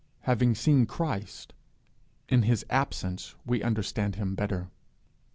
Having seen him, in his absence we understand him better.